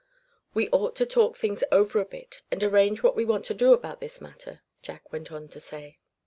"We ought to talk things over a bit, and arrange what we want to do about this matter," Jack went on to say.